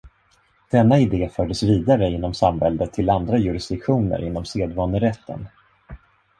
Denna idé fördes vidare inom samväldet till andra jurisdiktioner inom sedvanerätten.